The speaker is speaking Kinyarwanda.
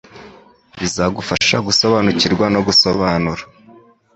bizagufasha gusobanukirwa no gusobanura